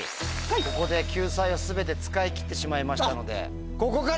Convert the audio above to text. ここで救済を全て使い切ってしまいましたので。